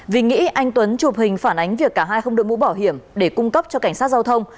vì nghĩ anh tuấn chụp hình phản ánh việc cả hai không đội mũ bảo hiểm để cung cấp cho cảnh sát giao thông